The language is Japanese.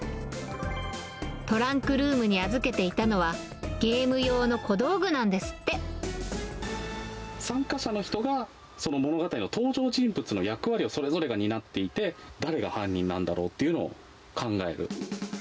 トランクルームに預けていたのは、参加者の人が、その物語の登場人物の役割をそれぞれが担っていて、誰が犯人なんだろうというのを考える。